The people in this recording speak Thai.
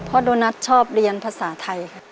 เพราะโดนัทชอบเรียนภาษาไทยค่ะ